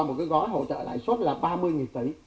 một cái gói hỗ trợ lãi suất là ba mươi tỷ